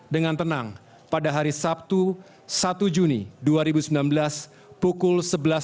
dengan tenang pada hari sabtu satu juni dua ribu sembilan belas pukul sebelas tiga puluh